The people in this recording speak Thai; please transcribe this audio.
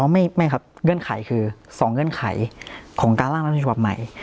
อ๋อไม่ครับเงื่อนไขคือสองเงื่อนไขของการร่างรัฐมนุนชาวใหม่